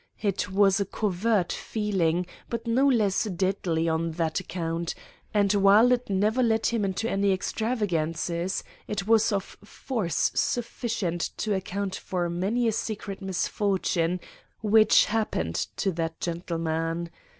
It was a covert feeling, but no less deadly on that account; and while it never led him into any extravagances, it was of force sufficient to account for many a secret misfortune which happened to that gentleman.